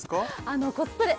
あのコスプレ